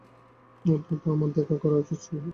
অন্তত আমার দেখা করা উচিত ছিল।